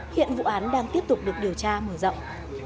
hiện vụ án đang tiếp tục được điều tra mở rộng